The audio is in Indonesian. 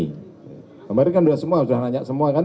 kemarin kan sudah disampaikan